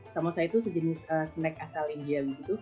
samosa itu sejenis snack asal india